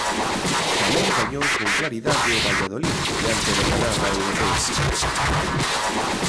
Tamén gañou con claridade o Valladolid diante do Granada europeo.